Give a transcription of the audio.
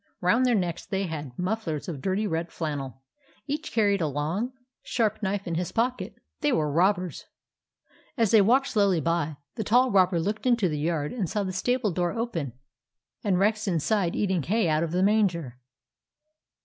Round their necks they had mufflers of dirty red flannel. Each carried a long, THE ROBBERS 47 sharp knife in his pocket. They were robbers. As they walked slowly by, the tall robber looked into the yard and saw the stable door open and Rex inside eating hay out of the manger.